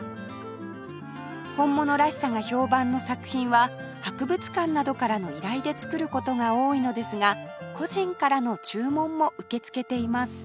本物らしさが評判の作品は博物館などからの依頼で作る事が多いのですが個人からの注文も受け付けています